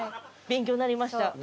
勉強になりました。